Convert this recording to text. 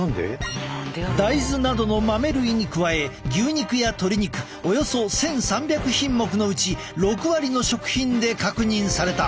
大豆などの豆類に加え牛肉や鶏肉およそ１，３００品目のうち６割の食品で確認された。